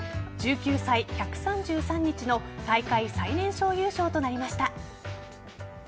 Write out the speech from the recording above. １９歳１３３日の大会最年少優勝となりました。